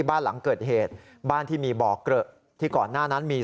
บ้านหลังเกิดเหตุบ้านที่มีบ่อเกลอะที่ก่อนหน้านั้นมี